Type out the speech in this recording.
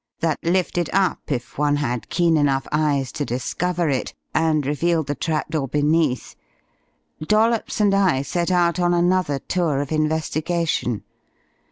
that lifted up, if one had keen enough eyes to discover it, and revealed the trap door beneath Dollops and I set out on another tour of investigation.